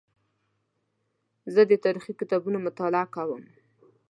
زه د تاریخي کتابونو مطالعه کوم.